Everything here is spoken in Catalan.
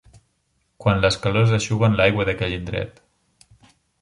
...quan les calors eixuguen l'aigua d'aquell indret.